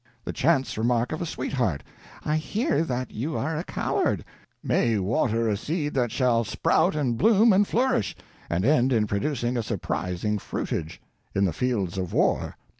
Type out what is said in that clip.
The chance remark of a sweetheart, "I hear that you are a coward," may water a seed that shall sprout and bloom and flourish, and ended in producing a surprising fruitage—in the fields of war.